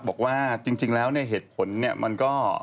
บอกว่าจริงแล้วเนี่ยเหตุผลเนี่ยมันก็